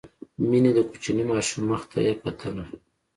مينې د کوچني ماشوم مخ ته يې کتل.